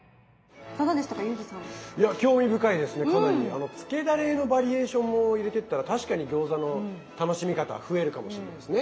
あのつけダレのバリエーションも入れてったら確かに餃子の楽しみ方増えるかもしれないですね。